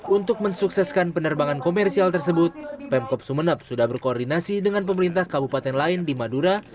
untuk mensukseskan penerbangan komersial tersebut pemkop sumeneb sudah berkoordinasi dengan pemerintah kabupaten lain di madura